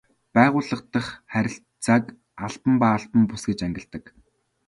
Байгууллага дахь харилцааг албан ба албан бус гэж ангилдаг.